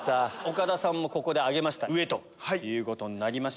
岡田さんもここで挙げました上ということになりました。